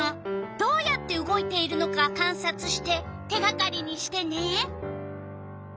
どうやって動いているのかかんさつして手がかりにしてね！